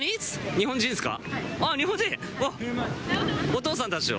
日本人ですか？